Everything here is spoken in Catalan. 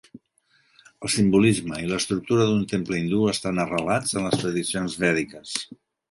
El simbolisme i l'estructura d'un temple hindú estan arrelats en les tradicions vèdiques.